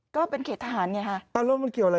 ก็เป็นเขตทหารไงฮะ